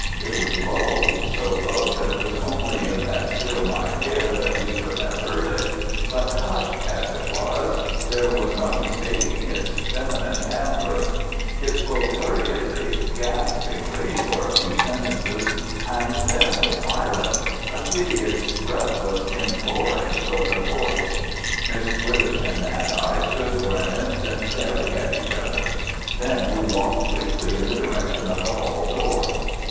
It was low—so low that it was only in that still night air that we could have heard it, but, hushed as it was, there was no mistaking its feminine timbre. It spoke hurriedly, gaspingly for a few sentences, and then was silent—a piteous, breathless, imploring sort of voice. Miss Witherton and I stood for an instant staring at each other. Then we walked quickly in the direction of the hall door.